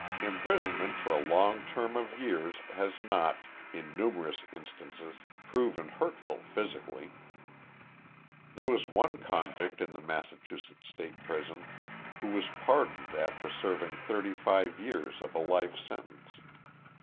Imprison ment for a long term of years has not, in numerous instances, proven hurtful physically. There was one convict in the Massachusetts State Prison, who was pardoned after serving thirty five years of a life sentence.